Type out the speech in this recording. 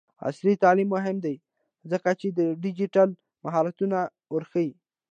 عصري تعلیم مهم دی ځکه چې ډیجیټل مهارتونه ورښيي.